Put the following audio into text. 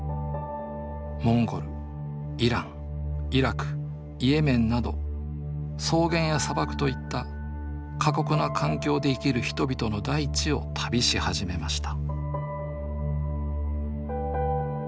モンゴルイランイラクイエメンなど草原や砂漠といった過酷な環境で生きる人々の大地を旅し始めました